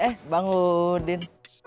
eh bang udin